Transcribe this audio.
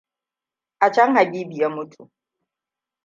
A can Habibu ya mutu.